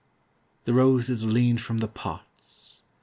The roses leaned from the pots.